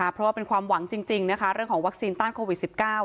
เพราะว่าเป็นความหวังจริงนะคะเรื่องของวัคซีนต้านโควิด๑๙